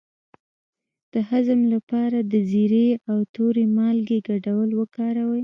د هضم لپاره د زیرې او تورې مالګې ګډول وکاروئ